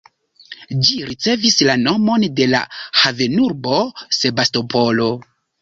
Ĝi ricevis la nomon de la havenurbo Sebastopolo.